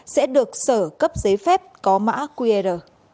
sẽ được sở cấp giấy phép có mã qr